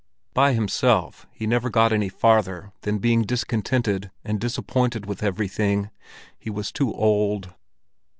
By himself he never got any farther than being discontented and disappointed with everything; he was too old.